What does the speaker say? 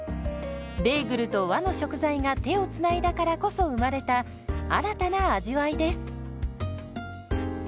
ベーグルと和の食材が手をつないだからこそ生まれた新たな味わいです。